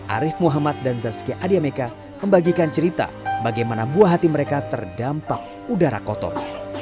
arief muhammad dan zazki adiameka membagikan cerita bagaimana buah hati mereka terdampak udara kotor